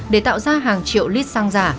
để tạo ra hàng triệu lít xăng giả